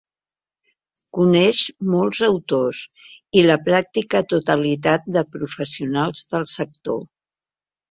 Coneix molts autors i la pràctica totalitat de professionals del sector.